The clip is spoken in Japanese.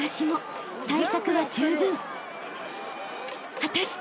［果たして］